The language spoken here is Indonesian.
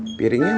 ini piringnya pak